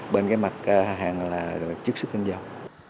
bên cái mặt hàng là chiếc xúc tinh dầu